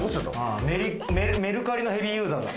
メルカリのヘビーユーザーだ。